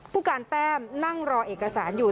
ผู้การแต้มนั่งรอเอกสารอยู่